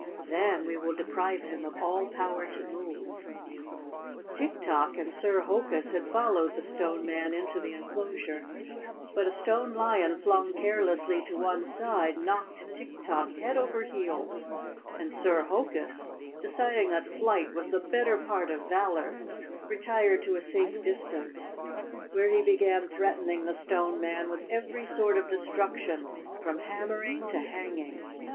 Then, we will deprive him of all power to move." Tik Tok and Sir Hokus had followed the Stone Man into the enclosure, but a stone lion flung carelessly to one side, knocked Tik Tok head over heels, and Sir Hokus, deciding that flight was the better part of valor, retired to a safe distance, where he began threatening the Stone Man with every sort of destruction from ham¬ mering to hanging.